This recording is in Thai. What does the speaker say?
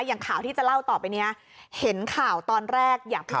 อย่างข่าวที่จะเล่าต่อไปเนี้ยเห็นข่าวตอนแรกอยากพูด